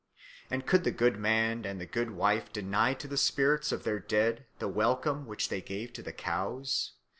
and could the good man and the good wife deny to the spirits of their dead the welcome which they gave to the cows?